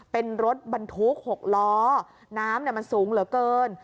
เป็นรถบรรทุก๖ล้อน้ำมันสูงเหลือเกิน